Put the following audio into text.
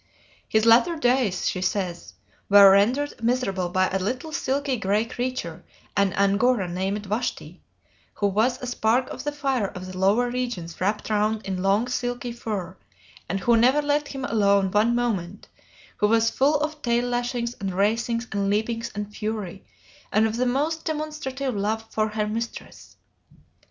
"His latter days," she says, "were rendered miserable by a little silky, gray creature, an Angora named Vashti, who was a spark of the fire of the lower regions wrapped round in long silky fur, and who never let him alone one moment: who was full of tail lashings and racings and leapings and fury, and of the most demonstrative love for her mistress.